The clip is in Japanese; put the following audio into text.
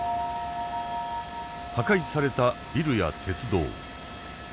破壊されたビルや鉄道。